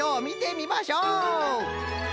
みてみましょう！